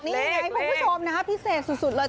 นี่ไงคุณผู้ชมนะฮะพิเศษสุดเลย